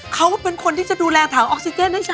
เขาเป็นคนที่จะดูแลถามอ๊อกซิเจเส์นะจ๊ะ